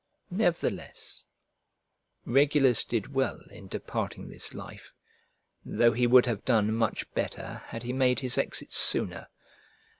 Nevertheless Regulus did well in departing this life, though he would have done much better had he made his exit sooner.